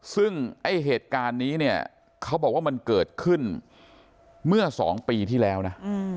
ซึ่งไอ้เหตุการณ์นี้เนี่ยเขาบอกว่ามันเกิดขึ้นเมื่อ๒ปีที่แล้วนะ